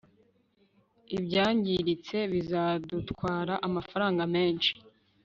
ibyangiritse bizadutwara amafaranga menshi